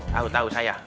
tahu tahu saya